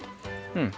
うん。